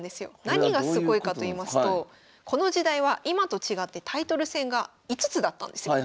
何がすごいかと言いますとこの時代は今と違ってタイトル戦が５つだったんですよ。